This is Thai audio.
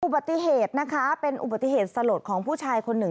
อุบัติเหตุนะคะเป็นอุบัติเหตุสลดของผู้ชายคนหนึ่ง